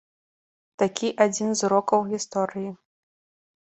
Такі адзін з урокаў гісторыі.